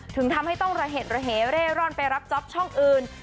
ถึงทำให้ต้องเหละเหละเหละรอดไปรับจอบช่องอื่น